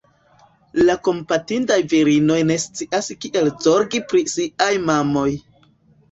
La kompatindaj virinoj ne scias kiel zorgi pri siaj mamoj.